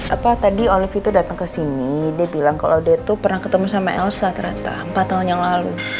apa tadi olivi itu datang ke sini dia bilang kalau dia tuh pernah ketemu sama elsa ternyata empat tahun yang lalu